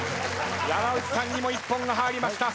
山内さんにも一本が入りました。